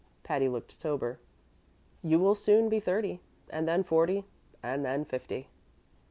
Patty looked sober. "You will soon be thirty, and then forty, and then fifty."